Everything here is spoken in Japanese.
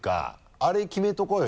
あれ決めておこうよ